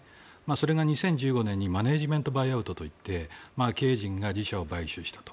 それが２０１５年にマネジマントバイアウトといって経営陣が買収したと。